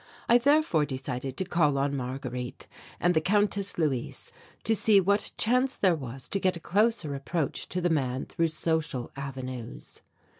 I therefore decided to call on Marguerite and the Countess Luise to see what chance there was to get a closer approach to the man through social avenues.